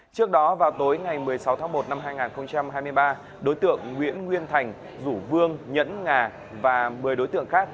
trước đó vào tối ngày một mươi sáu tháng một năm hai nghìn hai mươi ba đối tượng nguyễn nguyên thành rủ vương nhẫn nga và một mươi đối tượng khác